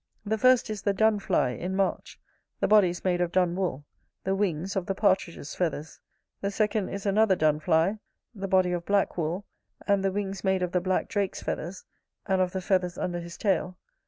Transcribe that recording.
The first is the dun fly, in March: the body is made of dun wool; the wings, of the partridge's feathers. The second is another dun fly: the body, of black wool; and the wings made of the black drake's feathers, and of the feathers under his tail.